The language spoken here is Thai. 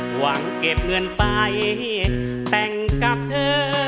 หวังเก็บเงินไปแต่งกับเธอ